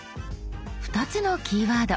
２つのキーワード。